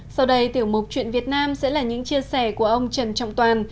sau đây tiểu mục chuyện việt nam sẽ là những chia sẻ của ông trần trọng toàn